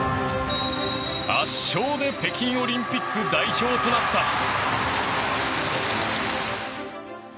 圧勝で北京オリンピック代表となった。